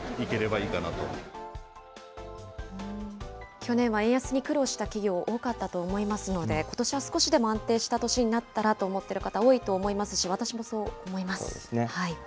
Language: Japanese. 去年は円安に苦労した企業、多かったと思いますので、ことしは少しでも安定した年になったらと思ってる方、多いと思いそうですね。